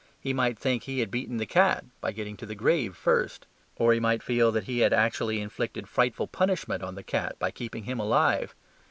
He might think he had beaten the cat by getting to the grave first. Or he might feel that he had actually inflicted frightful punishment on the cat by keeping him alive.